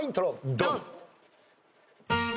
ドン！